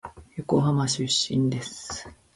横浜出身です。